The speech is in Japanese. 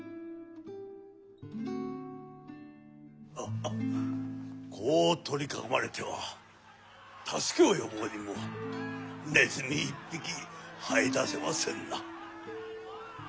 ハハッこう取り囲まれては助けを呼ぼうにもねずみ一匹はい出せませぬな。